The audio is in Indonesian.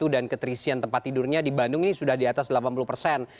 dan ketrisian tempat tidurnya di bandung ini sudah di atas delapan puluh persen